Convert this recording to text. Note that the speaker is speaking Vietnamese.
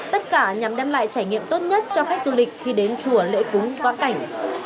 tất cả nhằm đem lại trải nghiệm tốt nhất cho khách du lịch khi đến chùa lễ cúng quá cảnh